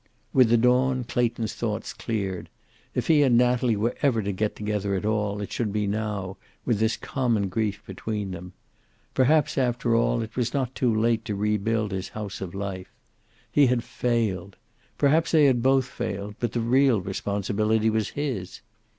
With the dawn, Clayton's thoughts cleared. If he and Natalie were ever to get together at all, it should be now, with this common grief between them. Perhaps, after all, it was not too late to re build his house of life. He had failed. Perhaps they had both failed, but the real responsibility was his.